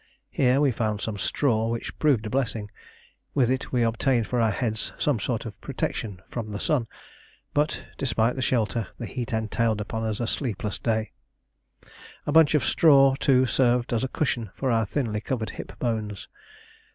Here we found some straw, which proved a blessing. With it we obtained for our heads some sort of protection from the sun, but, despite the shelter, the heat entailed upon us a sleepless day. A bunch of straw, too, served as a cushion for our thinly covered hip bones.